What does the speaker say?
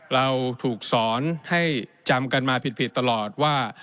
เราถูกสอนให้จำกันมาผิดตลอดว่า